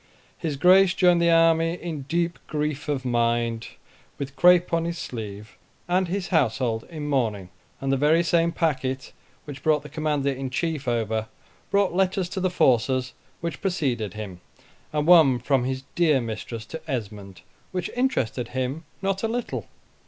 His Grace joined the army in deep grief of mind, with crape on his sleeve, and his household in mourning; and the very same packet which brought the Commander in Chief over, brought letters to the forces which preceded him, and one from his dear mistress to Esmond, which interested him not a little.